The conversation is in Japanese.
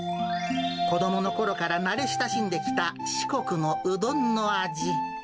子どものころから慣れ親しんできた四国のうどんの味。